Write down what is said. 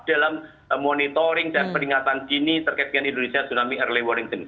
dalam monitoring dan peringatan dini terkait dengan indonesia tsunami early warning